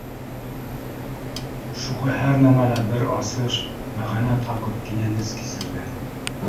Шуға һәр нәмәлә бер асыш, мәғәнә табып, кинәнес кисерҙе